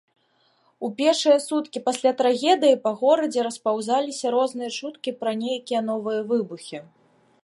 У пешыя суткі пасля трагедыі па горадзе распаўзаліся розныя чуткі пра нейкія новыя выбухі.